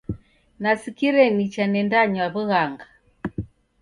Nasikire nicha nendanywa w'ughanga.